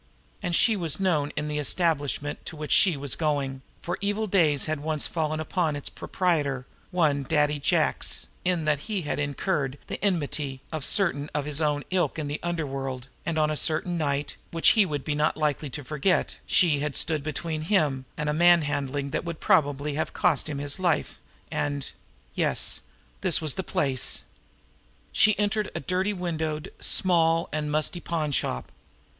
And she was known in the establishment to which she was going, for evil days had once fallen upon its proprietor, one "Daddy" Jacques, in that he had incurred the enmity of certain of his own ilk in the underworld, and on a certain night, which he would not be likely to forget, she had stood between him and a manhandling that would probably have cost him his life, and Yes, this was the place. She entered a dirty windowed, small and musty pawnshop.